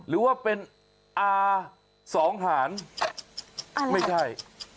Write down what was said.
หรือว่าเป็นอาสองหารไม่ใช่